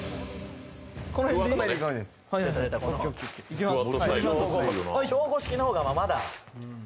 いきます。